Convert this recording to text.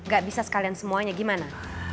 gak bisa sekalian semuanya gimana